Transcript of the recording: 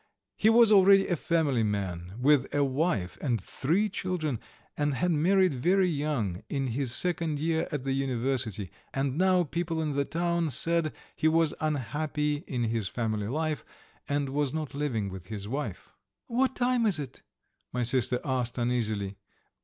He was already a family man, with a wife and three children, he had married very young, in his second year at the University, and now people in the town said he was unhappy in his family life and was not living with his wife. "What time is it?" my sister asked uneasily.